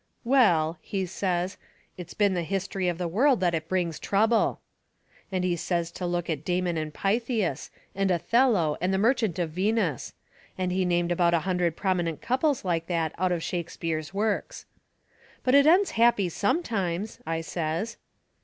"Well," he says, "It's been the history of the world that it brings trouble." And he says to look at Damon and Pythias, and Othello and the Merchant of Venus. And he named about a hundred prominent couples like that out of Shakespeare's works. "But it ends happy sometimes," I says.